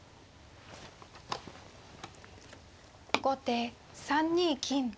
後手３二金。